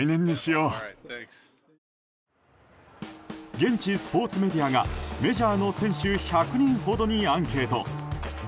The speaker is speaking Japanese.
現地スポーツメディアがメジャーの選手１００人ほどにアンケート。